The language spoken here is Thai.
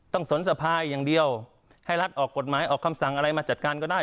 สนสภาอย่างเดียวให้รัฐออกกฎหมายออกคำสั่งอะไรมาจัดการก็ได้